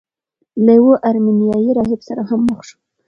له یوه ارمینیايي راهب سره هم مخ شو.